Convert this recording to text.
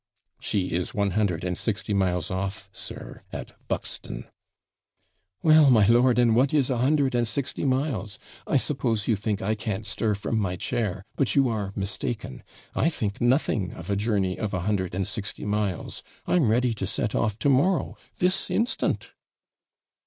'She is one hundred and sixty miles off, sir, at Buxton.' 'Well, my lord, and what is a hundred and sixty miles? I suppose you think I can't stir from my chair, but you are mistaken. I think nothing of a journey of a hundred and sixty miles I'm ready to set off to morrow this instant.'